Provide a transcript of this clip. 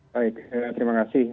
baik terima kasih